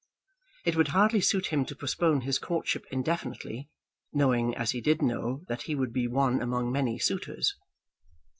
It would hardly suit him to postpone his courtship indefinitely, knowing, as he did know, that he would be one among many suitors.